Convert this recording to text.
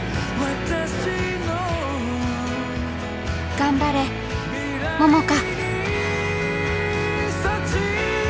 頑張れ桃佳。